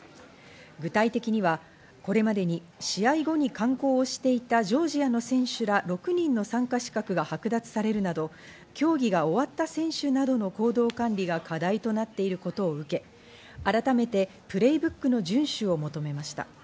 具体的には、これまでに試合後に観光をしていたジョージアの選手ら６人の参加資格が剥奪されるなど、競技が終わった選手などの行動管理が課題となっていることを受け、改めてプレイブックの順守を求めました。